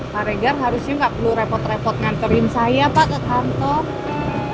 pak reger harusnya nggak perlu repot repot nganterin saya pak ke kantor